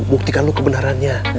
buktikan lu kebenarannya